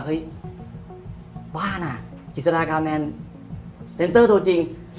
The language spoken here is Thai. เฮ้ยบ้านะจิสรากาแมนเซ็นเตอร์โทรจริง